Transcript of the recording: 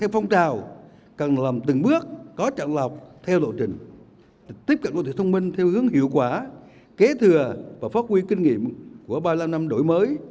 phát triển đô thị thông minh theo hướng hiệu quả kế thừa và phát huy kinh nghiệm của ba mươi năm năm đội mới